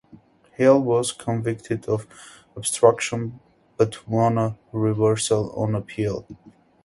Hale was convicted of obstruction, but won a reversal on appeal.